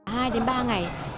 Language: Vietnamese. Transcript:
hai đến ba ngày